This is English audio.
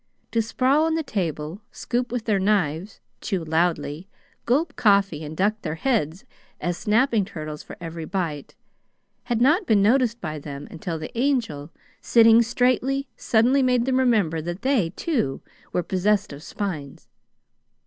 To sprawl on the table, scoop with their knives, chew loudly, gulp coffee, and duck their heads as snapping turtles for every bite, had not been noticed by them until the Angel, sitting straightly, suddenly made them remember that they, too, were possessed of spines.